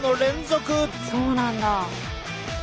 そうなんだ。